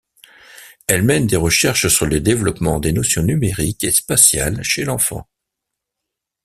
Elle mène des recherches sur le développement des notions numériques et spatiales chez l'enfant.